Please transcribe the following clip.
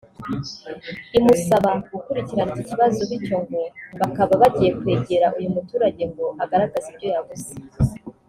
imusaba gukurikirana iki kibazo bityo ngo bakaba bagiye kwegera uyu muturage ngo agaragaze ibyo yabuze